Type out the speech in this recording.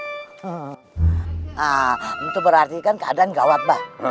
nah itu berarti kan keadaan gawat mbah